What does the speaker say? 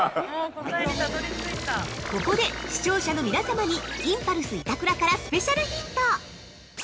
◆ここで視聴者の皆様に、インパルス板倉からスペシャルヒント。